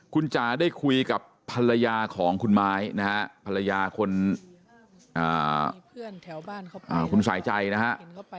คุณจ๋าได้คุยกับภรรยาของคุณไม้นะฮะภรรยาคนแถวบ้านคุณสายใจนะฮะ